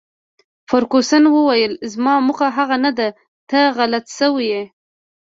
فرګوسن وویل: زما موخه هغه نه ده، ته غلطه شوې.